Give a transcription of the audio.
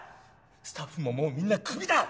スタッフももうみんな首だ！